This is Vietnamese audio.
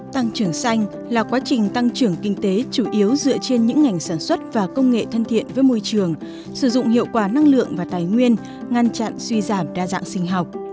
tăng trưởng xanh là quá trình tăng trưởng kinh tế chủ yếu dựa trên những ngành sản xuất và công nghệ thân thiện với môi trường sử dụng hiệu quả năng lượng và tài nguyên ngăn chặn suy giảm đa dạng sinh học